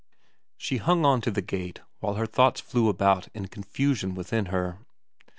She hung on to the gate while her thoughts flew about in confusion within her.